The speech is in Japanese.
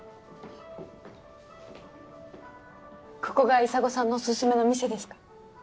ここが砂金さんのおすすめの店ですか？